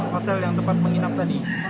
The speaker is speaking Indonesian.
hotel yang tepat penginap tadi